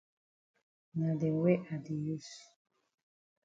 Na dem wey I di use.